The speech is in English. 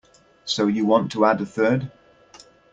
So you want to add a third?